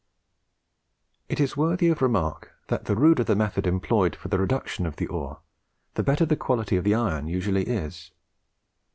It is worthy of remark, that the ruder the method employed for the reduction of the ore, the better the quality of the iron usually is.